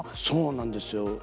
そうなんですよ。